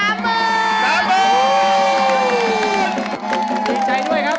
ดีใจด้วยครับ